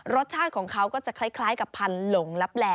รสชาติของเขาก็จะคล้ายกับพันธุ์หลงลับแหล่